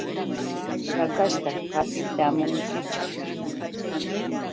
¿Shakashta hapitamunkichu?